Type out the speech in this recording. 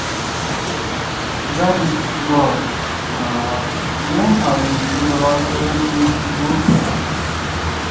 Wolff wrote four books over the next dozen years.